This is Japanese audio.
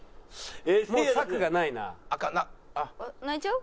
泣いちゃう？